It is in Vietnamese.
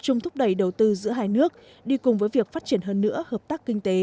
chung thúc đẩy đầu tư giữa hai nước đi cùng với việc phát triển hơn nữa hợp tác kinh tế